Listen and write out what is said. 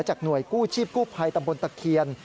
หน่วยกู้ชีพกู้ภัยตำบลตะเคียน